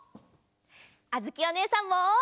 あづきおねえさんも！